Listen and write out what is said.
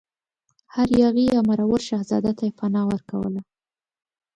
هر یاغي یا مرور شهزاده ته یې پناه ورکوله.